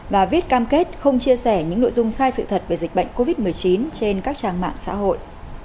và viết cam kết không chia sẻ những nội dung sai sự thật về dịch bệnh covid một mươi chín trên các trang mạng xã hội